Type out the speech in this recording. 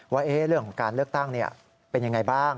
ว่าเรื่องของการเลือกตั้งเป็นยังไงบ้าง